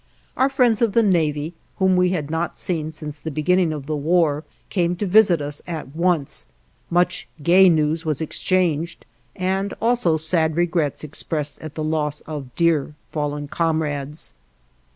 Our friends of the Navy, whom we had not seen since the beginning of the war, came to visit us at once; much gay news was exchanged and also sad regrets expressed at the loss of dear fallen comrades.